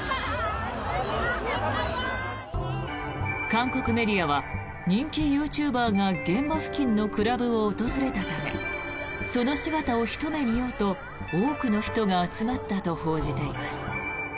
韓国メディアは人気ユーチューバーが現場付近のクラブを訪れたためその姿をひと目見ようと多くの人が集まったと報じています。